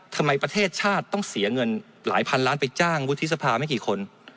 ประเทศชาติต้องเสียเงินหลายพันล้านไปจ้างวุฒิสภาไม่กี่คน